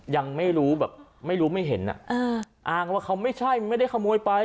ยังไม่รู้แบบไม่รู้ไม่เห็นอ่ะอ่าอ้างว่าเขาไม่ใช่ไม่ได้ขโมยไป